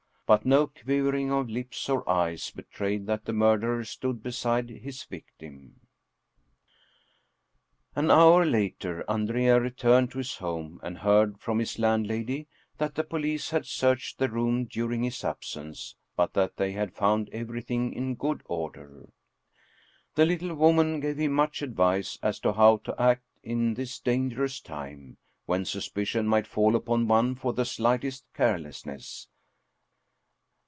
But no quivering of lips or eyes betrayed that the murderer stood beside his victim. 60 Paul Heyse An hour later, Andrea returned to his home and heard from his landlady that the police had searched the room during his absence, but that they had found everything in good order. The little woman gave him much advice as to how to act in this dangerous time, when suspicion might fall upon one for the slightest carelessness.